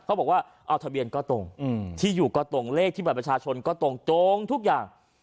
เขาบอกว่าเอาทะเบียนก็ตรงที่อยู่ก็ตรงเลขที่บัตรประชาชนก็ตรงทุกอย่าง